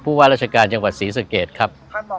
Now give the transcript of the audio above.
ผู้ว่าราชการจังหวัดศรีสะเกียจครับ